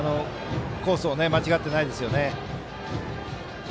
コースを間違ってないですよね。